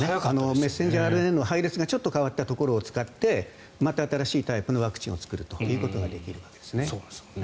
メッセンジャーＲＮＡの配列がちょっと変わったところを使ってまた新しいタイプのワクチンを作るということができるんです。